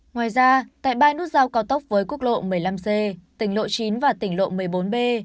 ngoài ra tại ba nút giao cao tốc với quốc lộ một mươi năm c tỉnh lộ chín và tỉnh lộ một mươi bốn b